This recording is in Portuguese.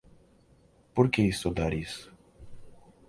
Por que estudar isso?